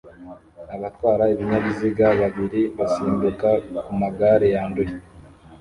abatwara ibinyabiziga babiri basimbuka ku magare yanduye